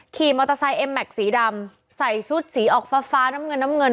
ขี่มอเตอร์ไซค์เอ็มแม็กซสีดำใส่ชุดสีออกฟ้าฟ้าน้ำเงินน้ำเงิน